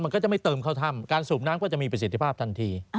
มันก็จะไม่เติมเข้าถ้ำการสูบน้ำก็จะมีประสิทธิภาพทันที